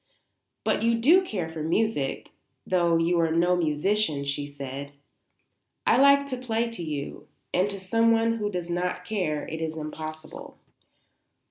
"But you do care for music, though you are no musician," she said. "I like to play to you; and to someone who does not care it is impossible."